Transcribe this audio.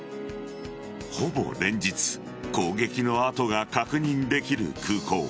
ほぼ連日攻撃の跡が確認できる空港。